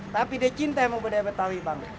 tapi dia cinta sama budaya betawi bang